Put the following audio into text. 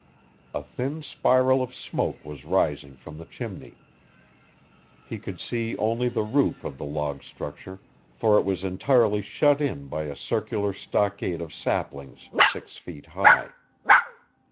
A thin spiral of smoke was rising from the chimney. He could see only the roof of the log structure, for it was entirely shut in by a circular stockade of saplings six feet high.